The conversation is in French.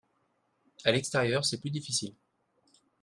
À l’extérieur, c’est plus difficile